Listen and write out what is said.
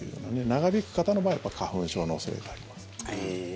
長引く方の場合はやっぱり花粉症の恐れがあります。